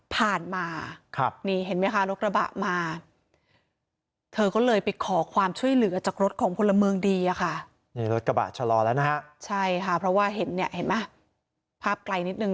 เพราะว่าเห็นมะภาพไกลนิดหนึ่งนะคะ